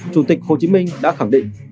chủ tịch hồ chí minh đã khẳng định